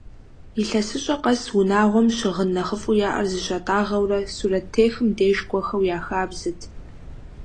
Илъэсыщӏэ къэс унагъуэм щыгъын нэхъыфӏу яӏэр зыщатӏагъэурэ, сурэттехым деж кӏуэхэу я хабзэт.